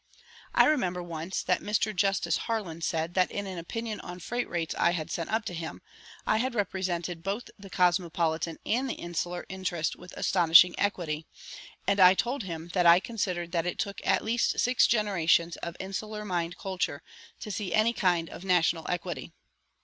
I remember once that Mr. Justice Harlan said that in an opinion on freight rates I had sent up to him I had represented both the cosmopolitan and the insular interest with astonishing equity, and I told him that I considered that it took at least six generations of insular mind culture to see any kind of national equity.